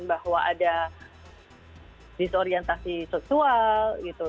bahwa ada disorientasi seksual gitu